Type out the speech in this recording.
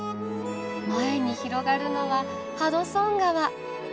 前に広がるのはハドソン川。